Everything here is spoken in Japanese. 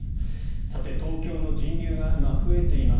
さて、東京の人流が今、増えています。